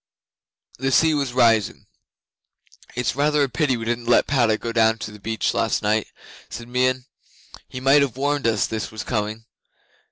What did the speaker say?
The sea was rising. '"It's rather a pity we didn't let Padda go down to the beach last night," said Meon. "He might have warned us this was coming."